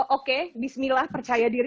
oke bismillah percaya diri